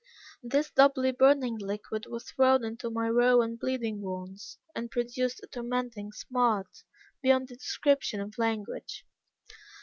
This doubly burning liquid was thrown into my raw and bleeding wounds, and produced a tormenting smart, beyond the description of language.